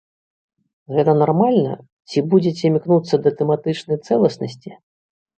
Гэта нармальна, ці будзеце імкнуцца да тэматычнай цэласнасці?